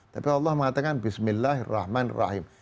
tapi allah mengatakan bismillahirrahmanirrahim